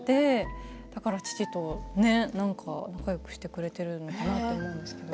だから父と仲よくしてくれているのかなと。